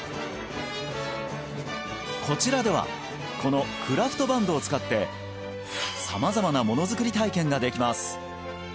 こちらではこのクラフトバンドを使って様々な物作り体験ができます